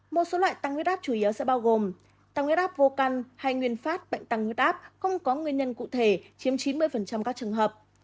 một số loại tăng huyết áp chủ yếu sẽ bao gồm tăng huyết áp vô căn hay nguyên phát bệnh tăng huyết áp không có nguyên nhân cụ thể chiếm chín mươi các trường hợp